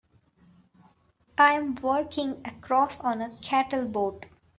I'm working across on a cattle boat.